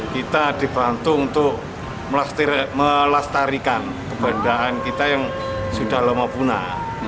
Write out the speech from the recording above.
kita dibantu untuk melestarikan kebandaan kita yang sudah lama punah